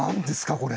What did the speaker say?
これ。